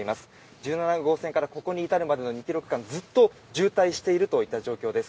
１７号線からここに至るまでの２ｋｍ区間ずっと渋滞しているといった状況です。